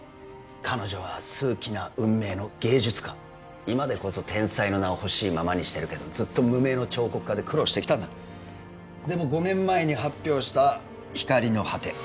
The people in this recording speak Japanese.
彼女は数奇な運命の芸術家今でこそ天才の名をほしいままにしてるけどずっと無名の彫刻家で苦労してきたんだでも５年前に発表した「光の果て」